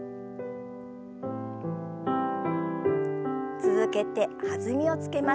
続けて弾みをつけます。